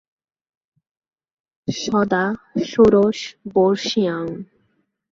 সদা ষোড়শবর্ষীয়াং।